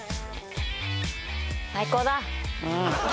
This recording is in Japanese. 最高だ。